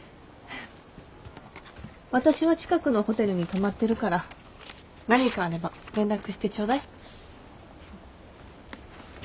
私は近くのホテルに泊まってるから何かあれば連絡してちょうだい。